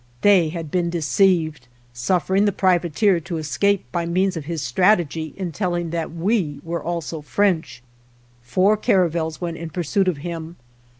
They had been deceived, suffering the privateer to es cape by means of his strategy in telling that we were also French. Four caravels went in pursuit of him.